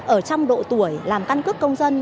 ở trong độ tuổi làm căn cước công dân